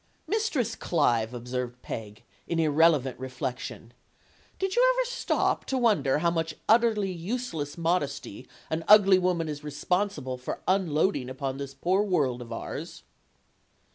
"Mistress Clive," observed Peg, in irrelevant re flection, "did you ever stop to consider how much utterly useless modesty an ugly woman is responsible for unloading upon this poor world of ours?"